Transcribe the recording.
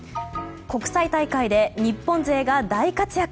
国際大会で日本勢が大活躍。